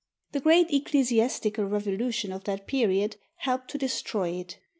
The great ecclesiastical revolution of that period helped to destroy it.